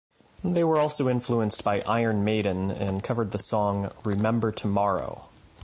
They were also influenced by Iron Maiden, and covered the song Remember Tomorrow.